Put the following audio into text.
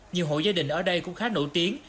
nhiều hộ gia đình ở đây cũng khá nổi tiếng